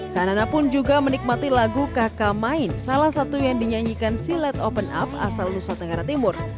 sanana pun juga menikmati lagu kakamain salah satu yang dinyanyikan si let open up asal nusa tenggara timur